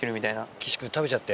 岸君食べちゃって。